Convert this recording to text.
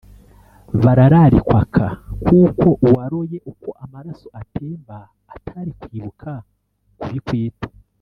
bararikwaka Kuko uwaroye uko amaraso atemba Atari kwibuka kubikwita...